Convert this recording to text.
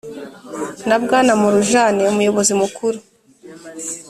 na bwana morjane, umuyobozi mukuru